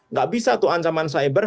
nggak bisa tuh ancaman cyber